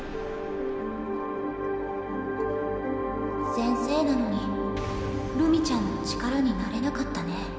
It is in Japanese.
先生なのにるみちゃんの力になれなかったね。